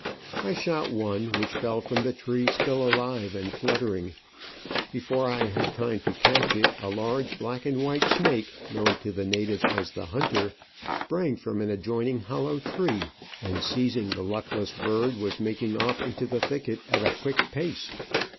I shot one, which fell from the tree still alive and fluttering ; before I had time to catch it a large black and white snake, known to the natives as the *' Hunter,*' sprang from an adjoining hollow tree, and, seizing the luckless bird, was making off into the thicket at a quick pace.